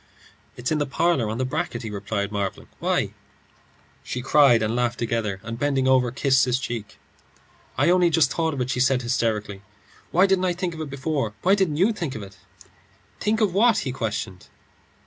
"It's in the parlour, on the bracket," he replied, marvelling. "Why?" She cried and laughed together, and bending over, kissed his cheek. "I only just thought of it," she said, hysterically. "Why didn't I think of it before? Why didn't you think of it?" "Think of what?" he questioned.